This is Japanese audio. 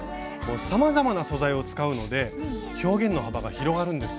さまざまな素材を使うので表現の幅が広がるんです。